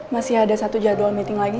masih ada satu jadwal meeting lagi